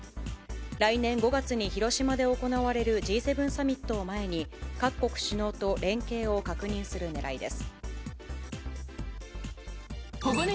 来年５月に広島で行われるＧ７サミットを前に、各国首脳と連携を確認するねらいです。